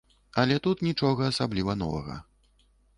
Але тут нічога асабліва новага.